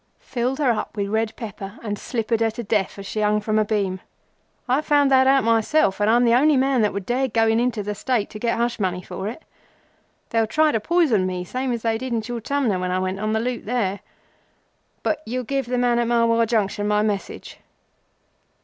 "Filled her up with red pepper and slippered her to death as she hung from a beam. I found that out myself and I'm the only man that would dare going into the State to get hush money for it. They'll try to poison me, same as they did in Chortumna when I went on the loot there. But you'll give the man at Marwar Junction my message?"